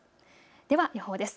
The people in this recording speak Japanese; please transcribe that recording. では予報です。